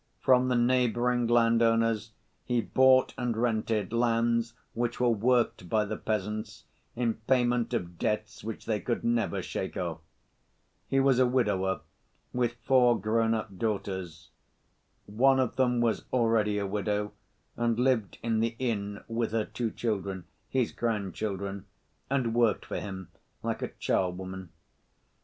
From the neighboring landowners he bought and rented lands which were worked by the peasants, in payment of debts which they could never shake off. He was a widower, with four grown‐up daughters. One of them was already a widow and lived in the inn with her two children, his grandchildren, and worked for him like a charwoman.